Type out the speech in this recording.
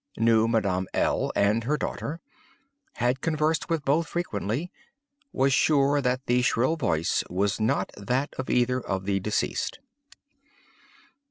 Knew Madame L. and her daughter. Had conversed with both frequently. Was sure that the shrill voice was not that of either of the deceased.